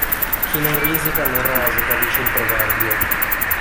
Chi non risica non rosica dice il proverbio.